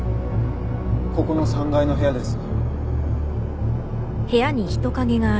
ここの３階の部屋です。